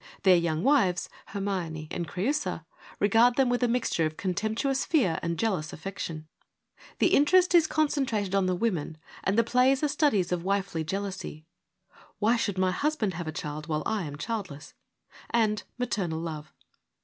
Their young wives, Hermione and Creiisa, regard them with a mixture of contemptuous fear and jealous affection. The interest is concentrated on the women, and the plays are studies of wifely jealousy —' Why should my husband have a child, while I am childless ?'— and maternal love.